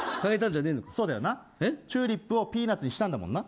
チューリップをピーナツにしたんだもんな。